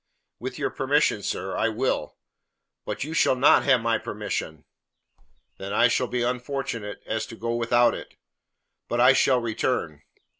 "With your permission, sir, I will." "But you shall not have my permission!" "Then I shall be so unfortunate as to go without it. But I shall return."